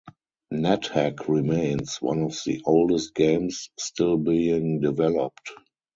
NetHack remains "...one of the oldest games still being developed".